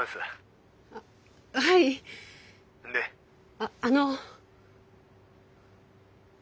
あっあの。